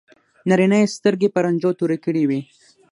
نارینه یې سترګې په رنجو تورې کړې وي.